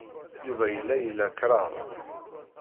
Yuba yella ila kraḍ.